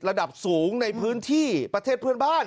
ระดับสูงในพื้นที่ประเทศเพื่อนบ้าน